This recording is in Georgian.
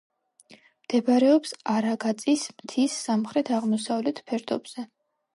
მდებარეობს არაგაწის მთის სამხრეთ-აღმოსავლეთ ფერდობზე.